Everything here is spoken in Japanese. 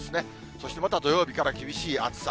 そしてまた土曜日から厳しい暑さ。